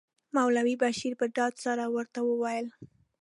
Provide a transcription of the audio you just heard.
مولوي بشیر په ډاډ سره ورته وویل.